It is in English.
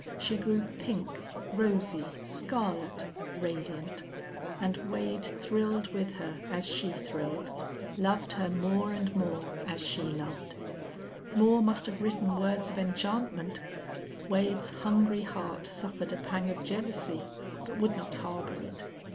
She grew pink, rosy, scarlet, radiant. And Wade thrilled with her as she thrilled, loved her more and more as she loved. Moore must have written words of enchantment. Wade's hungry heart suffered a pang of jealousy, but would not harbor it.